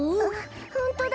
ホントだ！